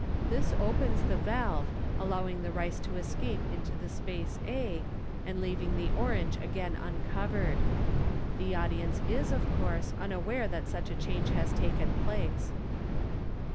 This opens the valve, allowing the rice to escape into the space a, and leaving the orange again uncovered. The audience is, of course, unaware that such a change has taken place.